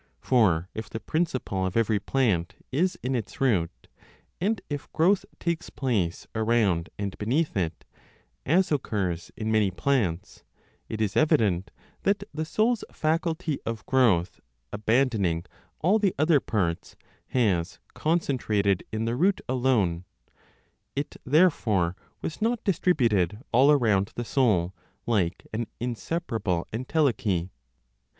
For if the principle of every plant is in its root, and if growth takes place around and beneath it, as occurs in many plants, it is evident that the soul's faculty of growth, abandoning all the other parts, has concentrated in the root alone; it, therefore, was not distributed all around the soul, like an inseparable entelechy.